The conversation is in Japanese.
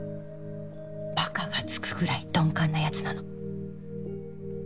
バカがつくぐらい鈍感なヤツなの。